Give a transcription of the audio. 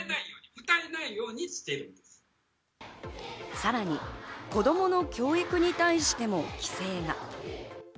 さらに子供の教育に対しても規制が。